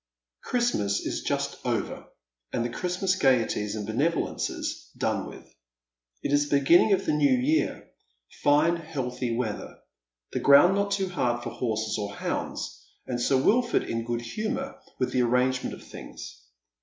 Christmas is just over, and the Christmas gaieties and benevo ler.ces done with. It is the beginning of the New Year — fine healthy weather — the ground not too hard for horses or hoimds, and Sir Wilford in good humour with the arrangement of things.